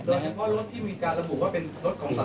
เฉพาะรถที่มีการระบุว่าเป็นรถของสาร